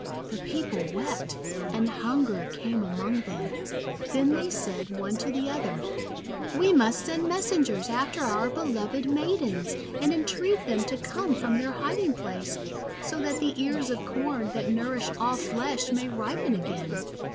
The people wept, and hunger came among them. Then said they, one to the other: — "We must send messengers after our beloved Maidens, and entreat them to come from their hiding place, so that the ears of Corn, that nour ish all flesh, may ripen again.